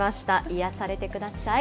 癒やされてください。